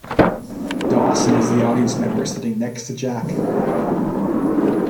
Dawson is the audience member sitting next to Jack.